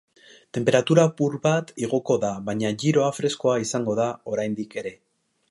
Tenperatura apur bat igoko da, baina giroa freskoa izango da oraindik ere.